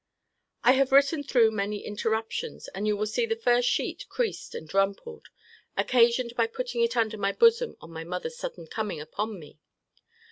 I have written through many interruptions: and you will see the first sheet creased and rumpled, occasioned by putting it into my bosom on my mother's sudden coming upon me.